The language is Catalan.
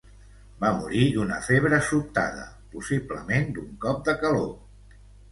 Va morir d'una febre sobtada, possiblement d'un cop de calor.